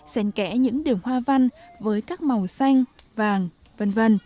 xen kẽ những điểm hoa văn với các màu xanh vàng vân vân